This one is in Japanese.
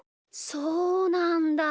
そうなんだ。